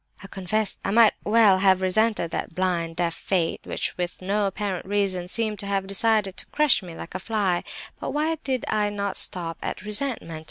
I confess I might well have resented that blind, deaf fate, which, with no apparent reason, seemed to have decided to crush me like a fly; but why did I not stop at resentment?